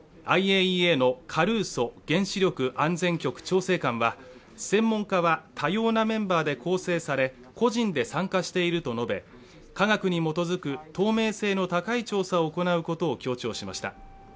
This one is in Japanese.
ＩＡＥＡのカルーソ原子力局調整官は専門家は多様なメンバーで構成され個人で参加していると述べ科学に基づく透明性の高い調査を行うことを強調しました。